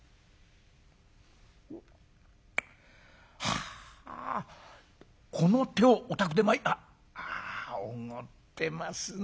「はあこのお宅ではあおごってますな。